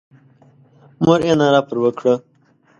مور یې ناره پر وکړه.